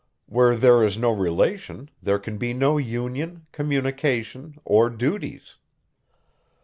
Where there is no relation, there can be no union, communication, or duties.